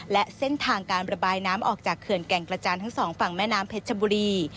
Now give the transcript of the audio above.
และเส้นทางการระบายน้ำออกจากเขื่อนแก่งกระจานทั้งสองฝั่งแม่น้ำเพชรชบุรี